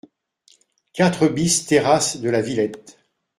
quatre BIS terrasse de la Villette